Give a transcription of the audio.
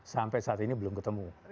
sampai saat ini belum ketemu